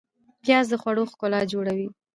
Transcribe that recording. پیاز د خوړو ښکلا جوړوي